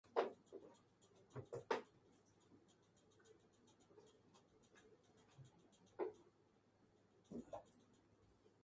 Andrew, তোমার সাথে নাচার জন্য লোলা আর আমার তোমায় ধন্যবাদ বলার ছিল।